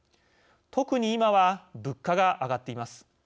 特に今は、物価が上がっています。